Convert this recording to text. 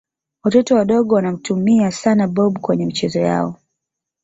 watoto wadogo wanamtumia sana blob kwenye michezo yao